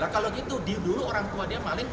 kalau gitu dulu orang tua dia maling